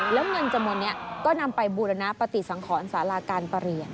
แล้วเงินจำนวนนี้ก็นำไปบูรณปฏิสังขรสาราการประเรียน